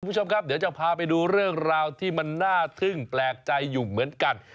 คุณผู้ชมครับเดี๋ยวจะพาไปดูเรื่องราวที่มันน่าทึ่งแปลกใจอยู่เหมือนกัน